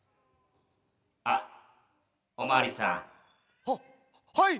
あっおまわりさん。ははい！